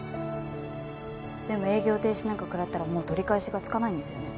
でも営業停止なんか食らったらもう取り返しがつかないんですよね？